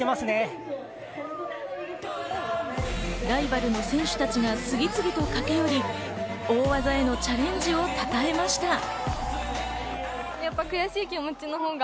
ライバルの選手たちが次々と駆け寄り、大技へのチャレンジをたたえました。